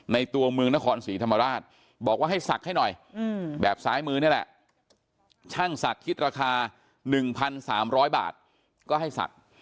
ตัวเมืองนครศรีธรรมราชบอกว่าให้ศักดิ์ให้หน่อยแบบซ้ายมือนี่แหละช่างศักดิ์คิดราคา๑๓๐๐บาทก็ให้ศักดิ์